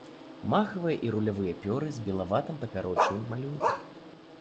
Махавыя і рулявыя пёры з белаватым папярочным малюнкам.